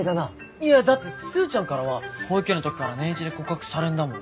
いやだってスーちゃんからは保育園の時から年１で告白されんだもん。